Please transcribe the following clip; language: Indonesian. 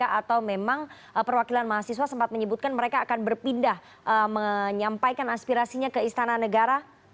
atau memang perwakilan mahasiswa sempat menyebutkan mereka akan berpindah menyampaikan aspirasinya ke istana negara